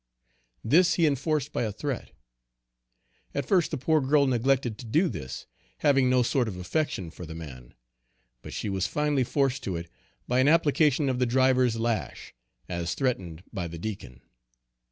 This he enforced by a threat. At first the poor girl neglected to do this, having no sort of affection for the man but she was finally forced to it by an application of the driver's lash, as threatened by the Deacon.